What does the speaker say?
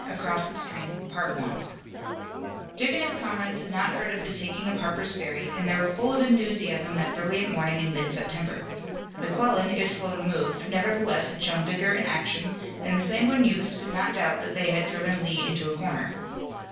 ACROSS THE STREAM Dick and his comrades had not heard of the taking of Harper's Ferry and they were full of enthusiasm that brilliant morning in mid September. McClellan, if slow to move, nevertheless had shown vigor in action, and the sanguine youths could not doubt that they had driven Lee into a corner.